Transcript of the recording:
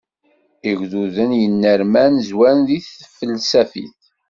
Igduden yennernan zwaren deg tfelsafit.